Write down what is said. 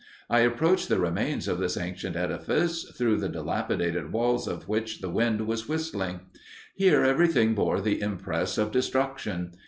I approached the remains of this ancient edifice, through the dilapidated walls of which the wind was whistling. Here everything bore the impress of destruction.